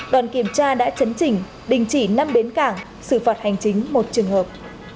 đoàn kiểm tra đã chấn chỉnh đình chỉ năm bến cảng xử phạt hành chính một trường hợp